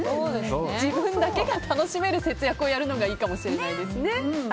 自分だけが楽しめる節約をやるのがいいかもしれないですね。